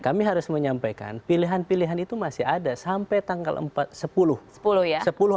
kami harus menyampaikan pilihan pilihan itu masih ada sampai tanggal sepuluh